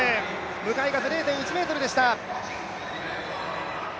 向かい風０．１メートルでした。